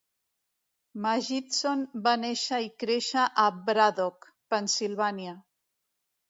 Magidson va néixer i créixer a Braddock, Pennsilvània.